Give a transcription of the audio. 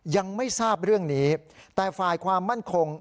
ยังไม่ทราบเรื่องนี้แต่ฝ่ายความมั่นคง